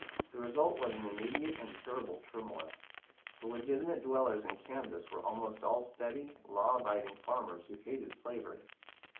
The result was an immediate and terrible turmoil. The legitimate dwellers in Kansas were almost all steady, law abiding farmers who hated slavery.